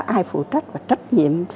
ai phụ trách và trách nhiệm